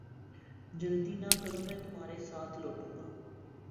جلدی نہ کرو میں تمھارے ساتھ لوٹوں گا